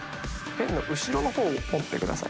ペンの後ろの方を持ってください。